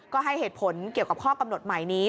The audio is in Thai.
ก็ให้เหตุผลเกี่ยวกับข้อกำหนดใหม่นี้